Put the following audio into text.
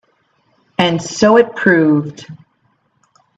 And so it proved.